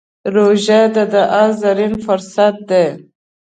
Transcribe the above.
روژه د دعا زرين فرصت دی.